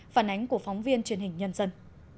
phản ánh của phóng viên truyền hình nhân dân